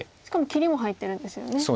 しかも切りも入ってるんですよね。